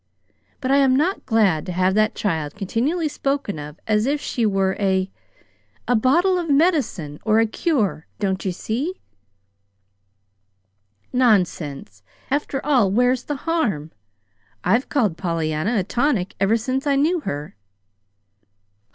But I am not glad to have that child continually spoken of as if she were a a bottle of medicine, or a 'cure.' Don't you see?" "Nonsense! After all, where's the harm? I've called Pollyanna a tonic ever since I knew her."